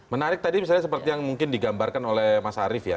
menarik tadi misalnya seperti yang mungkin digambarkan oleh mas arief ya